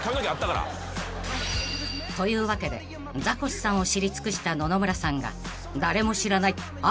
［というわけでザコシさんを知り尽くした野々村さんが］